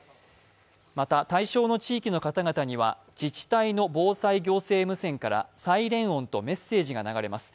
また、対象地域の方々には自治体の防災行政無線からサイレン音とメッセージが流れます。